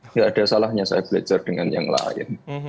nggak ada salahnya saya belajar dengan yang lain